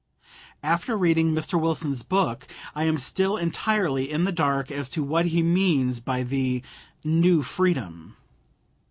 After reading Mr. Wilson's book, I am still entirely in the dark as to what he means by the "New Freedom."